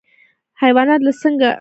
حیوانات له ځنګله خواړه اخلي.